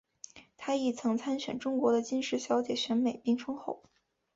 她亦曾参选中国的金石小姐选美并封后。